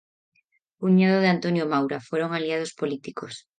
Cuñado de Antonio Maura, fueron aliados políticos.